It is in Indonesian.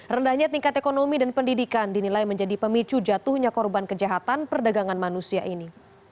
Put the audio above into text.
rendahnya tingkat ekonomi dan pendidikan dinilai menjadi pemicu jatuhnya korban kejahatan perdagangan manusia ini